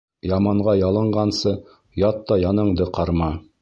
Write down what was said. Яманға ялынғансы, ят та яныңды ҡарма.